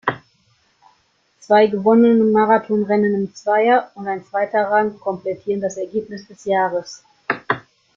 Zwei gewonnene Marathon-Rennen im Zweier und ein zweiter Rang komplettieren das Ergebnis des Jahres.